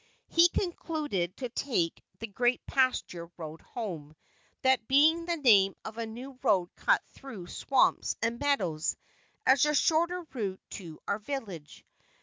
He concluded to take the "great pasture" road home, that being the name of a new road cut through swamps and meadows as a shorter route to our village.